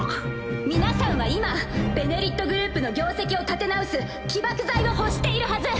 皆さんは今「ベネリット」グループの業績を立て直す起爆剤を欲しているはず。